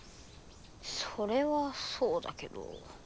それはそうだけど。